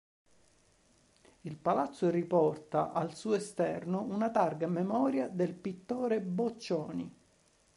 Il Palazzo riporta al suo esterno una targa a memoria del pittore Boccioni.